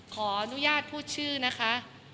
ขออนุญาตพูดชื่อนะคะ